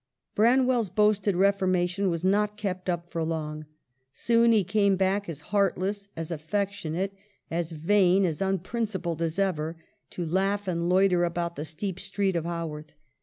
Branwell's boasted reformation was not kept up for long. Soon he came back as heartless, as affectionate, as vain, as unprincipled as ever, to laugh and loiter about the steep street of Haworth.